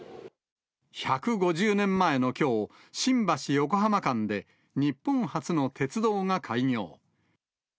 １５０年前のきょう、新橋・横浜間で日本初の鉄道が開業。